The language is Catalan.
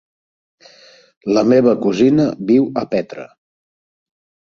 La meva cosina viu a Petra.